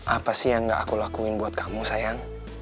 apa sih yang gak aku lakuin buat kamu sayang